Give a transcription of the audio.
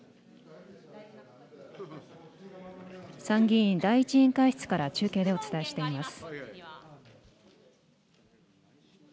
参議院第１委員会室から中継でお伝えしています。